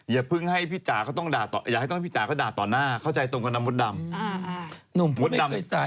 อย่าเพิ่งให้พี่จ๋าเขาต้องด่าต่อหน้าเข้าใจตรงกันนะมดดำ